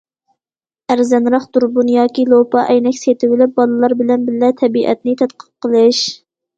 ئەرزانراق دۇربۇن ياكى لوپا ئەينەك سېتىۋېلىپ، بالىلار بىلەن بىللە تەبىئەتنى تەتقىق قىلىش.